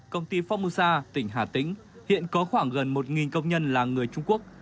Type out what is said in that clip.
công ty phong musa tỉnh hà tĩnh hiện có khoảng gần một công nhân là người trung quốc